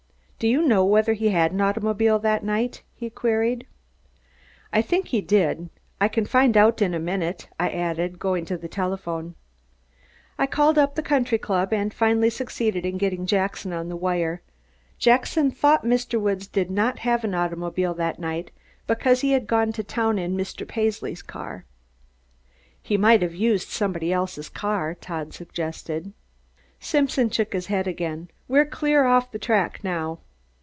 Do you know whether he had an automobile that night?" he queried. "I think he did. I can find out in a minute," I added, going to the telephone. I called up the country club and finally succeeded in getting Jackson on the wire. Jackson thought Mr. Woods did not have an automobile that night, because he had gone to town in Mr. Paisley's car. "He might have used somebody else's car," Todd suggested. Simpson shook his head again. "We're getting clear off the track, now."